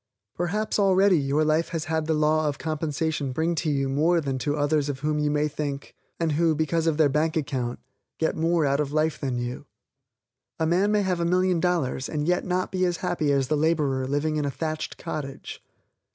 Perhaps already your life has had the law of compensation bring to you more than to others of whom you may think, and who, because of their bank account, get more out of life than you. A man may have a million dollars, and yet not be as happy as the laborer living in a thatched cottage.